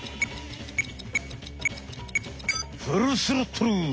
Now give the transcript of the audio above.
フルスロットル！